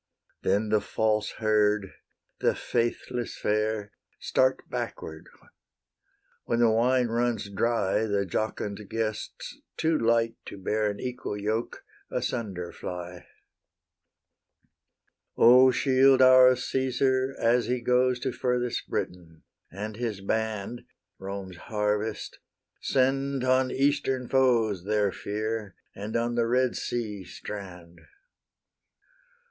Then the false herd, the faithless fair, Start backward; when the wine runs dry, The jocund guests, too light to bear An equal yoke, asunder fly. O shield our Caesar as he goes To furthest Britain, and his band, Rome's harvest! Send on Eastern foes Their fear, and on the Red Sea strand!